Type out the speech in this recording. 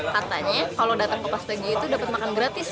katanya kalau datang ke pastegio itu dapat makan gratis